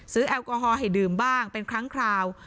แอลกอฮอลให้ดื่มบ้างเป็นครั้งคราว